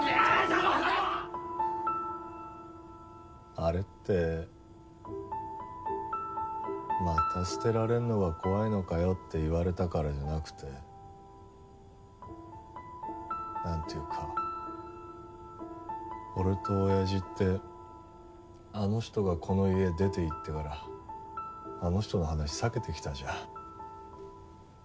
あれって「また捨てられるのが怖いのかよ」って言われたからじゃなくてなんていうか俺とおやじってあの人がこの家出ていってからあの人の話避けてきたじゃん。